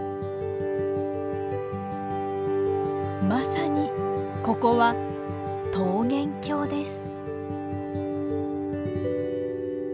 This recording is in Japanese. まさにここは桃源郷です。